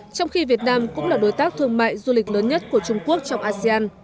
trong khi việt nam cũng là đối tác thương mại du lịch lớn nhất của trung quốc trong asean